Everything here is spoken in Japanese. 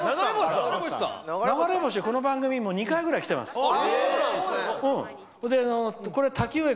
この番組２回ぐらい来てます！